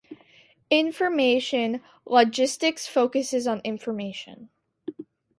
Information Logistics focusses on information.